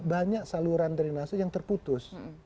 banyak saluran drenase yang terputus